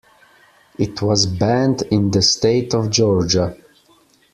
It was banned in the State of Georgia.